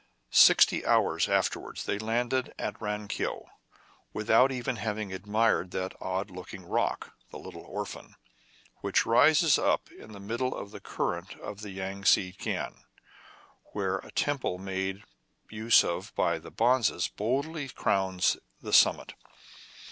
Sixty hours after wards they landed at Ran Keou, without even having admired that odd looking rock, the Little Orphan, which rises up in the middle of the cur rent of the Yang tze Kiang, and where a temple made use of by the bonzes boldly crowns the summit.